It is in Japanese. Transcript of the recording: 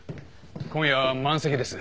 今夜は満席です。